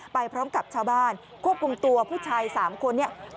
ไปพร้อมกับชาวบ้านควบคุมตัวผู้ชาย๓คนเนี่ย